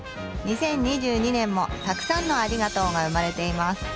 ２０２２年もたくさんのありがとうが生まれています。